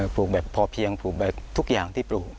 ปลูกแบบพอเพียงปลูกแบบทุกอย่างที่ปลูก